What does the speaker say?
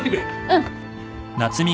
うん。